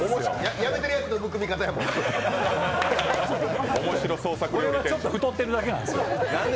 やめてるやつのむくみ方やもん。